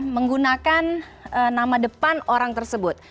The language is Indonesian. menggunakan nama depan orang tersebut